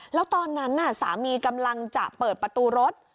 แล้วตอนนั้นสามีกำลังจะเปิดประตูรถ